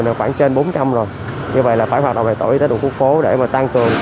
nhanh nhất sớm nhất